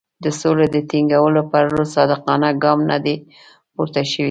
د سولې د ټینګولو پر لور صادقانه ګام نه دی پورته شوی.